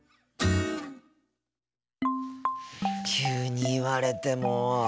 急に言われても。